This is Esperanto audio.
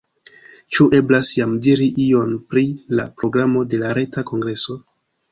Ĉu eblas jam diri ion pri la programo de la reta kongreso?